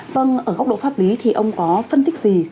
vâng ở góc độ pháp lý thì ông có phân tích gì